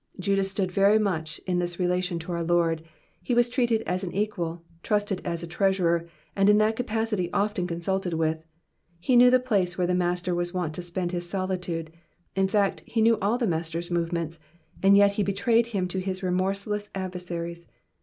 Judas stood very much in this relation to our Lord, he was treated as an equal, trusted as treasurer, and in that capacity often consulted with. He knew the place where the Master was wont to spend his solitude ; in fact, he knew all tne Master's movements, and yet he betrayed him to his remorseless adversaries.